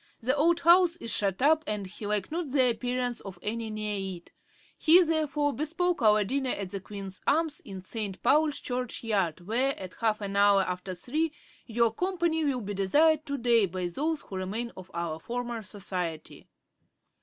The old house is shut up, and he liked not the appearance of any near it; he therefore bespoke our dinner at the Queen's Arms, in St. Paul's Church yard, where, at half an hour after three, your company will be desired to day by those who remain of our former society.